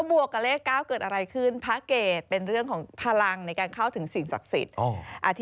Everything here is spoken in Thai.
บวกกับเลข๙เกิดอะไรขึ้นพระเกตเป็นเรื่องของพลังในการเข้าถึงสิ่งศักดิ์สิทธิ์